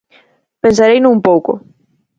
¡Pensareino un pouco!